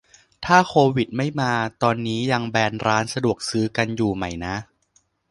ถ้าโควิดไม่มา ตอนนี้ยังแบนร้านสะดวกซื้อกันอยู่ไหมนะ